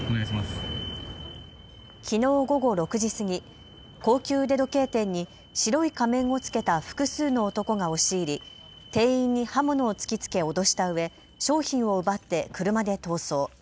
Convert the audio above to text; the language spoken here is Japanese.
きのう午後６時過ぎ、高級腕時計店に白い仮面を着けた複数の男が押し入り店員に刃物を突きつけ脅したうえ商品を奪って車で逃走。